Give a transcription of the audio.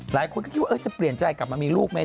หลายคนก็คิดว่าจะเปลี่ยนใจกลับมามีลูกไหม